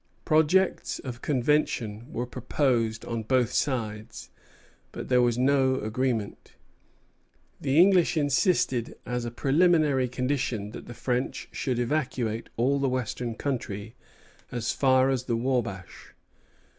Projects of convention were proposed on both sides, but there was no agreement. The English insisted as a preliminary condition that the French should evacuate all the western country as far as the Wabash.